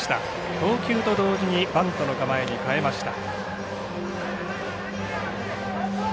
投球と同時にバントの構えに変えました。